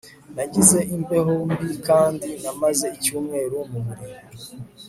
Nagize imbeho mbi kandi namaze icyumweru mu buriri